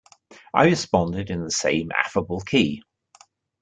I responded in the same affable key.